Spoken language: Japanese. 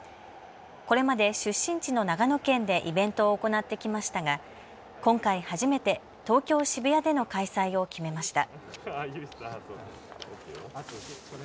これまで出身地の長野県でイベントを行ってきましたが今回、初めて東京渋谷での開催を決めました。